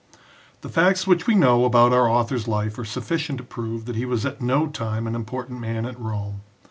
The facts which we know about our author's life are sufficient to prove that he was at no time an important man at Rome.